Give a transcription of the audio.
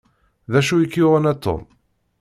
D acu i k-yuɣen a Tom?